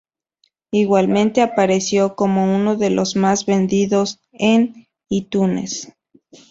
Igualmente apareció como uno de los más vendidos en Itunes.